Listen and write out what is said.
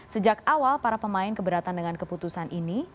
sejak awal para pemain keberatan dengan keputusan ini